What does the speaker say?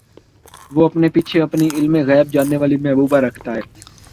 وہ اپنے پیچھے اپنی علمِغیب جاننے والی محبوبہ رکھتا ہے